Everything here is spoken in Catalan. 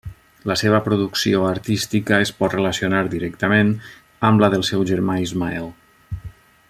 La seva producció artística es pot relacionar directament amb la del seu germà Ismael.